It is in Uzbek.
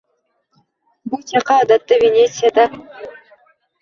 Bu chaqaga odatda Venetsiyada